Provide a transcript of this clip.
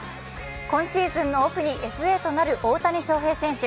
今シーズンのオフにＦＡとなる大谷翔平選手。